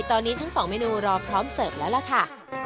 ตอนนี้ทั้งสองเมนูรอพร้อมเสิร์ฟแล้วล่ะค่ะ